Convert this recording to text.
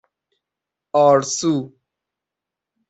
آرسو